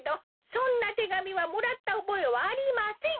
そんなてがみはもらったおぼえはありません！